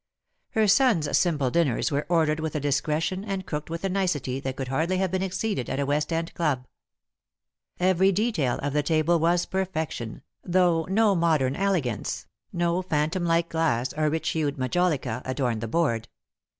Her son's simple dinners were ordered with a discretion and cooked with a nicety that could hardly have been exceeded at a West end club. Every detail of the table was perfection, though no modern elegance, no phantom like glass or rich hued majolica, adorned the board.